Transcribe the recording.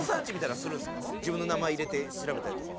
・自分の名前入れて調べたりとかは。